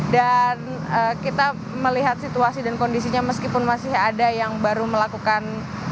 dan kita melihat situasi dan kondisinya meskipun masih ada yang baru melakukan